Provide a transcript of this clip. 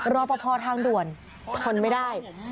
รอปภทางด่วนทนไม่ได้